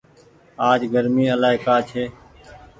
آج گرمي الآئي ڪآ ڇي۔